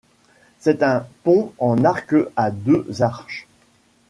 C'est un pont en arc à deux arches.